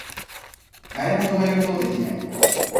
誰も止めること出来ない